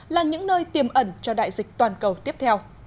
là những nơi tiềm ẩn cho đại dịch toàn cầu tiếp theo